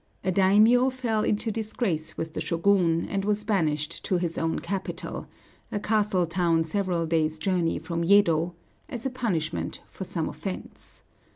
A daimiō fell into disgrace with the Shōgun, and was banished to his own capital, a castle town several days' journey from Yedo, as a punishment for some offense.